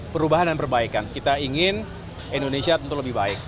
perubahan dan perbaikan kita ingin indonesia tentu lebih baik